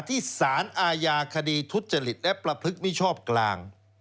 ที่สารอาญาคดีทุจริตและประพฤติมิชอบกลาง